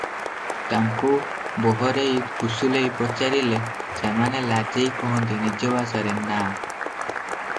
ତାଙ୍କୁ ବହରେଇ ଫୁସୁଲେଇ ପଚାରିଲେ ସେମାନେ ଲାଜେଇ କହନ୍ତି ନିଜ ଭାଷାର ନାଁ ।